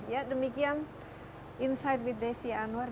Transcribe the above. ya demikian insight with desi anwar